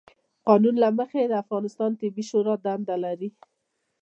قانون له مخې، د افغانستان طبي شورا دنده لري،